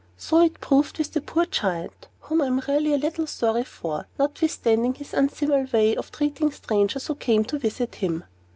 So it proved with the poor Giant, whom I am really a little sorry for, notwithstanding his uncivil way of treating strangers who came to visit him.